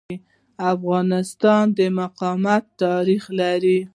افغانستان د مقاومت تاریخ لري.